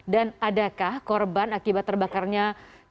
dan adakah korban akibat terbakarnya kilang